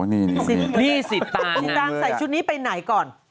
นี่สิตาง